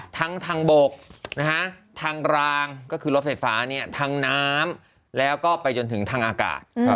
ทั้งทางบกทางรางก็คือรถไฟฟ้าทางน้ำแล้วก็ไปจนถึงทางอากาศ